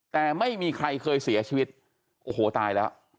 แต่ไม่มีใครเคยเสียชีวิตโอ้โหตายแล้ว